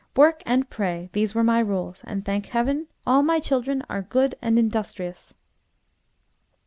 Work and pray, these were my rules, and thank Heaven! all my children are good and industrious.